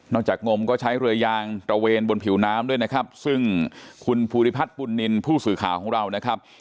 จากงมก็ใช้เรือยางตระเวนบนผิวน้ำด้วยนะครับซึ่งคุณภูริพัฒน์บุญนินทร์ผู้สื่อข่าวของเรานะครับ